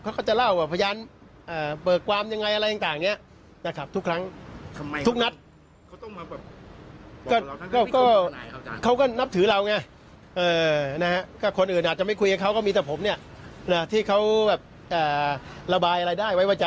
เขาก็จะเล่าว่าพยานเปิดความยังไงอะไรต่างนะครับทุกครั้งทุกนัด